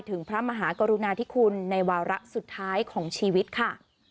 พระมหากรุณาธิคุณในวาระสุดท้ายของชีวิตค่ะ